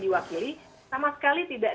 diwakili sama sekali tidak